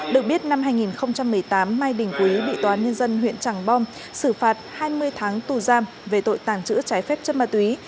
được biết năm hai nghìn một mươi tám mai đình quý bị tòa án nhân dân huyện tràng bom xử phạt hai mươi tháng tù giam về tội tàng trữ trái phép chất ma túy